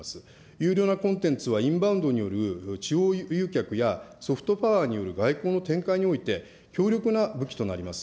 優良なコンテンツは、インバウンドによる地方誘客やソフトパワーによる外交の展開において、強力な武器となります。